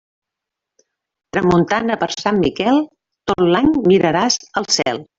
Tramuntana per Sant Miquel, tot l'any miraràs al cel.